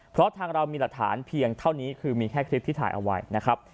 เพราะทางเรามีหลักฐานเพียงเท่านี้คือมีแค่คลิปที่ถ่ายเอาไว้นะครับ